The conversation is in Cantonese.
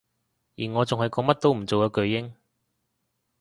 而我仲係個乜都唔做嘅巨嬰